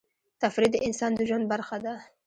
تفریح د انسان د ژوند برخه ده.